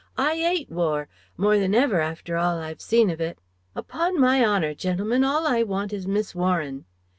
I 'ate war, more than ever after all I've seen of it. Upon my honour, gentlemen, all I want is Miss Warren."